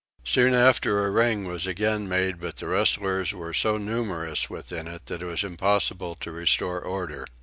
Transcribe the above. Soon after a ring was again made but the wrestlers were so numerous within it that it was impossible to restore order.